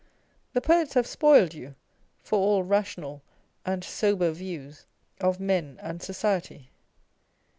The poets have spoiled you for all rational and sober views of men and society.